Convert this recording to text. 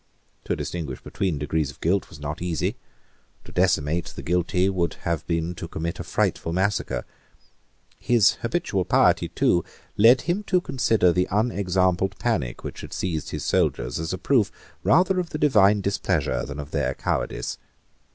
To distinguish between degrees of guilt was not easy. To decimate the guilty would have been to commit a frightful massacre. His habitual piety too led him to consider the unexampled panic which had seized his soldiers as a proof rather of the divine displeasure than of their cowardice.